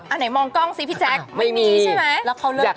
ไหนมองกล้องสิพี่แจ๊คไม่มีใช่ไหม